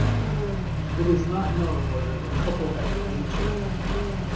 It is not known whether the couple had any children.